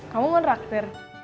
kamu mau draktir